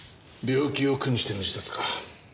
病気を苦にしての自殺か。